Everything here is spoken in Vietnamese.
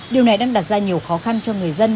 điều này đang đặt ra nhiều khó khăn cho người dân